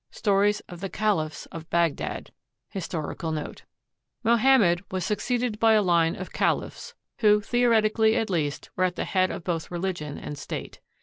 II STORIES OF THE CALIPHS OF BAGDAD HISTORICAL NOTE Mohammed was succeeded by a line of caliphs, who, theo retically at least, were at the head of both religion and state.